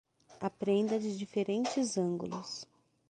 Aprenda de diferentes ângulos